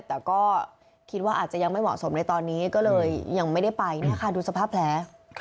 แต่ก็คิดว่าอาจจะยังไม่เหมาะสมในตอนนี้ก็เลยยังไม่ได้ไปเนี่ยค่ะดูสภาพแผล